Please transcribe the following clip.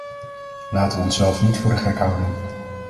Laten we onszelf niet voor de gek houden!